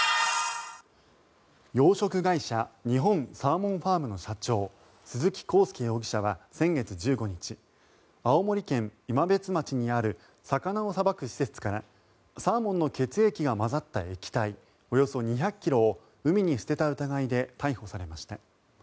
養殖会社日本サーモンファームの社長鈴木宏介容疑者は先月１５日青森県今別町にある魚をさばく施設からサーモンの血液が混ざった液体およそ２００ｋｇを海に捨てた疑いで逮捕されました。